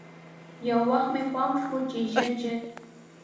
یو وخت مې پام شو چې ژر ژر.